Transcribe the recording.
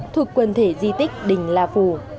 thuộc quân thể di tích đỉnh la phủ